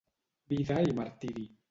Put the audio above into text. Vida i martiri.